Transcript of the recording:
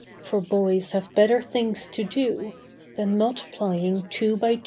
For boys have better things to do Than multiplying two by two!